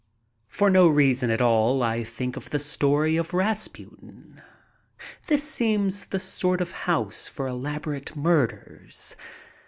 For no reason at all, I think of the story of Rasputin. This seems the sort of house for elaborate murders.